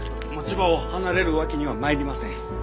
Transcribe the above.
持ち場を離れるわけにはまいりません。